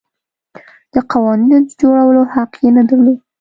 د قوانینو د جوړولو حق یې نه درلود.